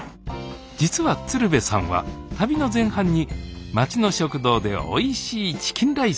実は鶴瓶さんは旅の前半に町の食堂でおいしいチキンライスを頂きました。